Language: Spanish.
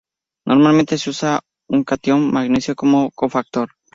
Normalmente se usa un catión magnesio como cofactor.